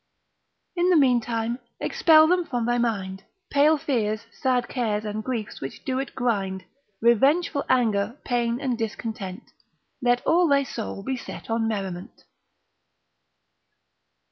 In the meantime expel them from thy mind, Pale fears, sad cares, and griefs which do it grind, Revengeful anger, pain and discontent, Let all thy soul be set on merriment.